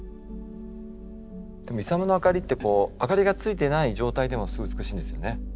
でもイサムのあかりってこうあかりがついてない状態でもすごい美しいんですよね。